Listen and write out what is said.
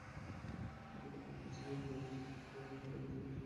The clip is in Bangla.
এতে প্রধান অতিথি ছিলেন ন্যাপ মহানগর শাখার সাধারণ সম্পাদক আলী আহম্মদ।